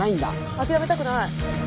諦めたくない！